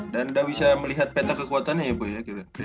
dan udah bisa melihat peta kekuatannya ya bo ya